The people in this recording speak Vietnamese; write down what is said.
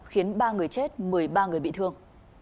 khiến ba người chết một mươi ba người bị thương